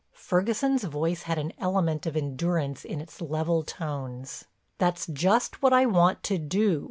Ferguson's voice had an element of endurance in its level tones: "That's just what I want to do.